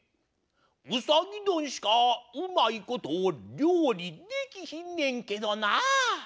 うさぎどんしかうまいことりょうりできひんねんけどなぁ！